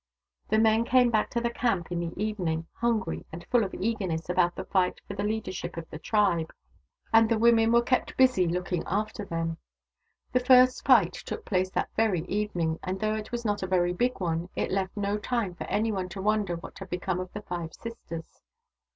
The men came back to the camp in the evening, hungry and full of eagerness about the fight for the leadership of the tribe, and the women i68 THE DAUGHTERS OF WONKAWALA were kept busy in looking after them. The first fight took place that very evening, and though it was not a very big one, it left no time for anyone to wonder what had become of the five sisters.